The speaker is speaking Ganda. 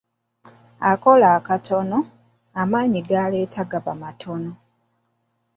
Akola akatono, n'amaanyi g'aleeta gaba matono.